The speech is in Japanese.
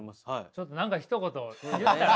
ちょっと何かひと言言ったら？